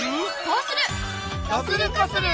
こうする！